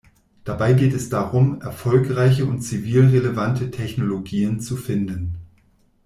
Dabei geht es darum, erfolgreiche und zivil relevante Technologien zu finden.